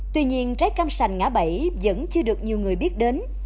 tuy nhiên trái cam sành ngã bảy vẫn chưa được nhiều người biết đến